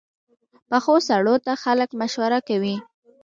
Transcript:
پخو سړو ته خلک مشوره کوي